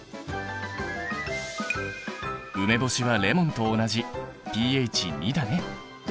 梅干しはレモンと同じｐＨ２だね。